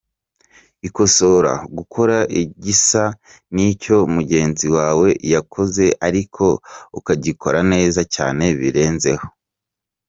Ikosora: Gukora igisa ni icyo mugenzi wawe yakoze ariko ukagikora neza cyane birenze ho.